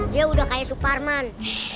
dia udah kayak superman